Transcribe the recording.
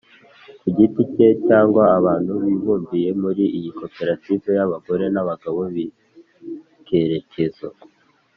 ku giti cye cyangwa abantu bibumbiye muri iyi koperative y’abagore n’abagabo bikerekezo.